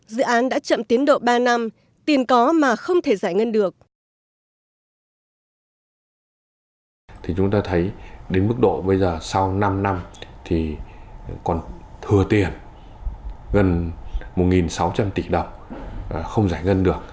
dự án đã chậm tiến độ ba năm tiền có mà không thể giải ngân được